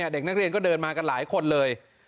เด็กนักเรียนก็เดินมากันหลายคนเลย